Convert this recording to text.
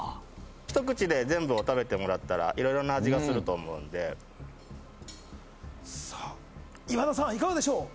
ひと口で全部を食べてもらったらいろいろな味がすると思うんでさあ今田さんいかがでしょう？